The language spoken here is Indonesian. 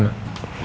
sampai jumpa lagi